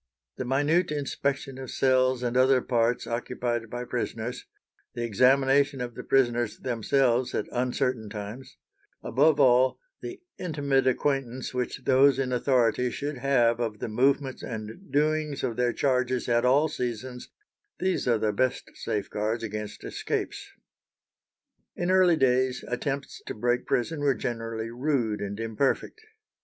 The minute inspection of cells and other parts occupied by prisoners; the examination of the prisoners themselves at uncertain times; above all, the intimate acquaintance which those in authority should have of the movements and doings of their charges at all seasons—these are the best safeguards against escapes. In early days attempts to break prison were generally rude and imperfect.